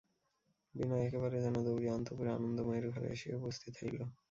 বিনয় একেবারে যেন দৌড়িয়া অন্তঃপুরে আনন্দময়ীর ঘরে আসিয়া উপস্থিত হইল।